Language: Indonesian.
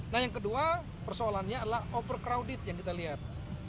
nah yang kedua persoalannya adalah overcrowded yang kita lihat